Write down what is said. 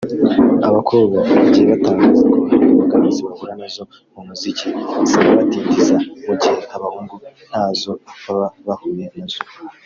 abakobwa bagiye batangaza ko hari imbogamizi bahura nazo mu muziki zikanabadindiza mu gihe abahungu ntazo baba bahuye nazo